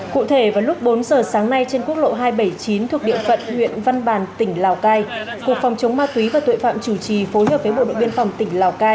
cụ thể vào lúc bốn giờ sáng nay trên quốc lộ hai trăm bảy mươi chín thuộc địa phận huyện văn bàn tỉnh lào cai cục phòng chống ma túy và tội phạm chủ trì phối hợp với bộ đội biên phòng tỉnh lào cai